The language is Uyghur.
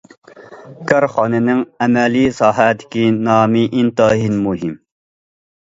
كارخانىنىڭ ئەمەلىي ساھەدىكى نامى ئىنتايىن مۇھىم.